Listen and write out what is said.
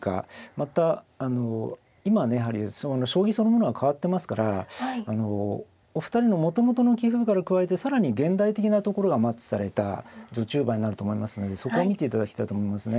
またあの今ねやはり将棋そのものが変わってますからお二人のもともとの棋風から加えて更に現代的なところがマッチされた序中盤になると思いますのでそこを見て頂きたいと思いますね。